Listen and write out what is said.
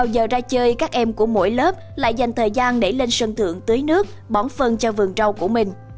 giờ ra chơi các em của mỗi lớp lại dành thời gian để lên sân thượng tưới nước bón phân cho vườn rau của mình